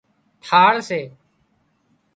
ٿاۯ سي